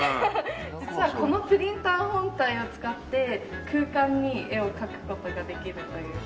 実はこのプリンター本体を使って空間に絵を描く事ができるという。